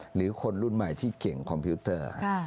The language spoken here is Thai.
หรือคนรุ่นใหม่ที่เก่งคอมพิวเตอร์